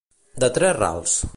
De tres rals.